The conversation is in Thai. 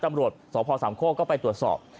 ตำรวจสพสามโคกก็ไปตรวจสอบ